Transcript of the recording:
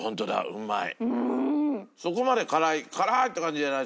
うまい！